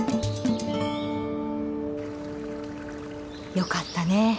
よかったね